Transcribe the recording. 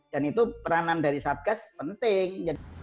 dan itu peranan dari sub gas penting